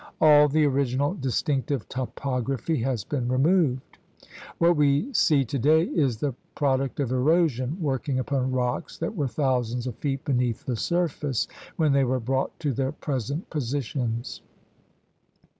All the original distinctive topography has been removed. What we see to day is the product of erosion working upon rocks that were thousands of feet beneath the surface when they were brought to their present positions.